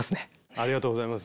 ありがとうございます。